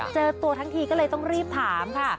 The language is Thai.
เจอตัวทั้งทีก็เลยต้องรีบถามค่ะ